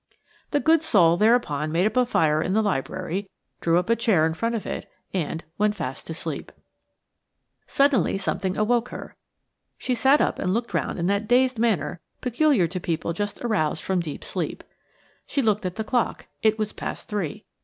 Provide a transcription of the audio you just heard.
The good soul thereupon made up the fire in the library, drew a chair in front of it, and–went fast to sleep. Suddenly something awoke her. She sat up and looked round in that dazed manner peculiar to people just aroused from deep sleep. She looked at the clock; it was past three.